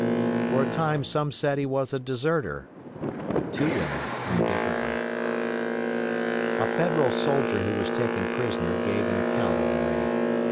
For a time some said he was a deserter; but two women knew differently. A Federal soldier who was taken prisoner gave an account of the raid.